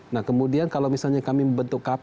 nah kemudian kalau misalnya kami membentuk kpk